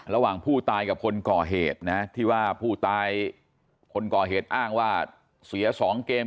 ระหว่างผู้ตายกับคนก่อเหตุนะที่ว่าผู้ตายคนก่อเหตุอ้างว่าเสีย๒เกม